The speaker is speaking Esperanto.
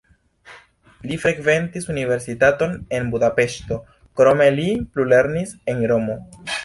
Li frekventis universitaton en Budapeŝto, krome li plulernis en Romo.